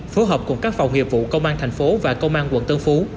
phối hợp cùng các phòng nghiệp vụ công an thành phố và công an quận tân phú